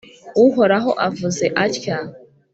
Uhoraho avuze atya :